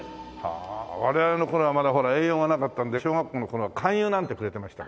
我々の頃はまだ栄養がなかったんで小学校の頃は肝油なんてくれてましたから。